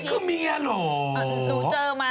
อ๋อนี่คือเมียเหรอ